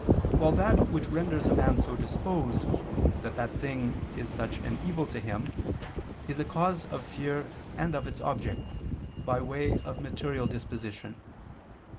While that which renders a man so disposed that thing is such an evil to him, is a cause of fear and of its object, by way of material disposition.